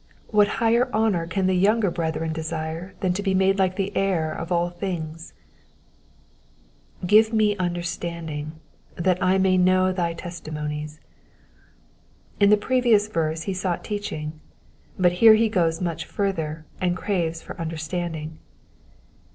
What higher honour can the younger brethren desire than to be made like the Heir of all things ? &itjtf me understanding, that I may hnow thy testimonies,'*'* In the previous verse he sought teaching ; but here he goes much further, and craves for understanding.